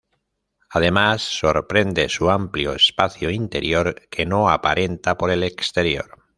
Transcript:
Además, sorprende su amplio espacio interior que no aparenta por el exterior.